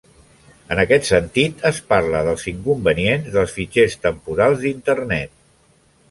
En aquest sentit es parla dels inconvenients dels fitxers temporals d'Internet.